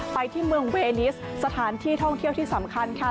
ไปที่เมืองเวนิสสถานที่ท่องเที่ยวที่สำคัญค่ะ